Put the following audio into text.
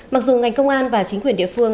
mặc dù ngành công an và chính quyền địa phương